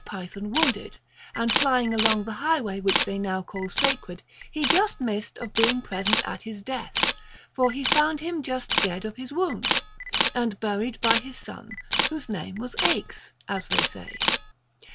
269 Python wounded, and flying along the highway which they now call Sacred, he just missed of being present at his death ; for he found him just dead of his wound, and buried by his son, whose name was Aix, as they say.